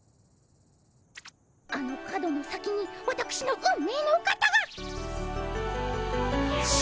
あの角の先にわたくしの運命のお方が。